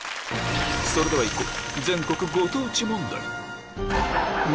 それではいこう！